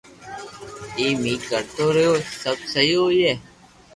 ايم اي ڪرتو رھيو سب سھي ھوئي